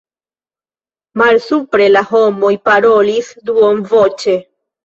Malsupre la homoj parolis duonvoĉe.